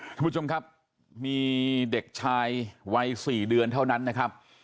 คุณผู้ชมครับมีเด็กชายวัย๔เดือนเท่านั้นนะครับ